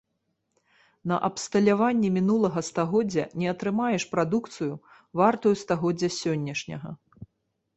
На абсталяванні мінулага стагоддзя не атрымаеш прадукцыю, вартую стагоддзя сённяшняга.